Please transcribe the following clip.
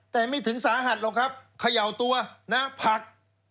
แต่ไม่ถึงสาหัสหรอกครับเขย่าตัวนะผัก